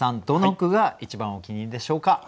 どの句が一番お気に入りでしょうか？